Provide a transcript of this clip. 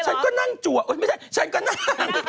ฉันก็นั่งจัวไม่ใช่ฉันก็นั่ง